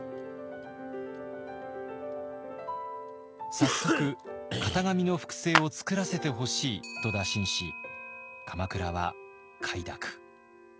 早速型紙の複製を作らせてほしいと打診し鎌倉は快諾。